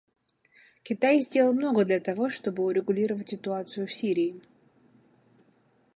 Китай сделал много для того, чтобы урегулировать ситуацию в Сирии.